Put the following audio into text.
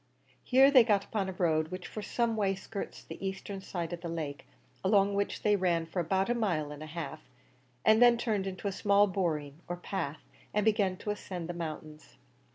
Here they got upon a road which for some way skirts the eastern side of the lake, along which they ran for about a mile and a half, and then turned into a small boreen or path, and began to ascend the mountains.